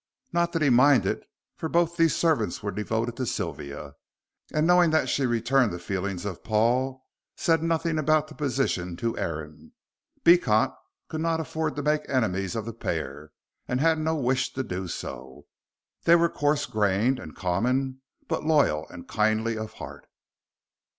Not that he minded, for both these servants were devoted to Sylvia, and knowing that she returned the feelings of Paul said nothing about the position to Aaron. Beecot could not afford to make enemies of the pair, and had no wish to do so. They were coarse grained and common, but loyal and kindly of heart.